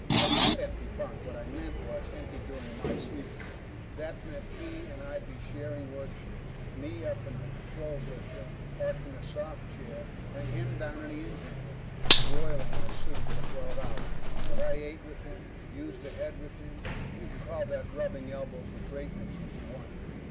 I said empty bunk. What I meant was, empty during my sleep shift. That meant he and I'd be sharing work shifts me up in the control blister, parked in a soft chair, and him down in the engine room, broiling in a suit for twelve hours. But I ate with him, used the head with him; you can call that rubbing elbows with greatness, if you want to.